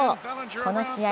この試合